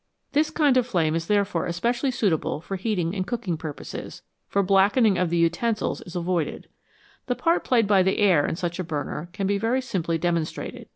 This kind of flame is therefore especially suitable for heat ing and cooking purposes, for blackening of the utensils is avoided. The part played by the air in such a burner can be very simply demonstrated.